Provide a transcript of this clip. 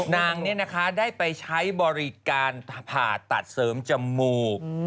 นางเนี่ยนะคะได้ไปใช้บริการผ่าตัดเสริมจมูก